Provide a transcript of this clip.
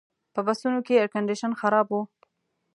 په بسونو کې ایرکنډیشن خراب و.